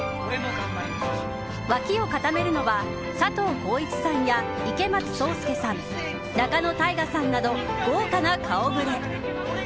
脇を固めるのは佐藤浩市さんや池松壮亮さん、仲野太賀さんなど豪華な顔ぶれ。